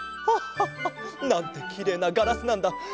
ハッハハなんてきれいなガラスなんだ。